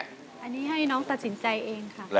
อันนี้ให้น้องตัดสินใจเองค่ะ